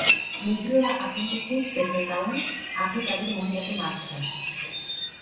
নিগ্রোরা আপনাকে খুজতেছে কারন আপনি তাদের মহিলা কে মারছেন।